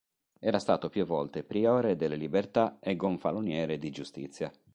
Era stato più volte priore delle Libertà e gonfaloniere di Giustizia.